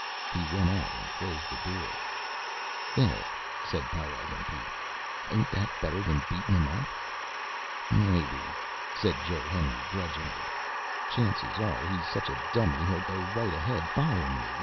He went out and closed the door. "There," said Pie Wagon Pete. "Ain't that better than beatin' him up?" "Maybe," said Joe Henry grudgingly. "Chances are he's such a dummy he'll go right ahead follerin' me.